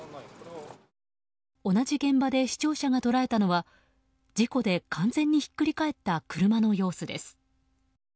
同じ現場で視聴者が捉えたのは事故で完全にひっくり返った車の様子です。